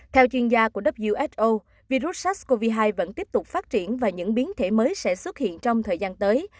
theo chuyên gia của who virus sars cov hai vẫn tiếp tục phát triển và những biến thể mới sẽ xuất hiện trong thời gian tới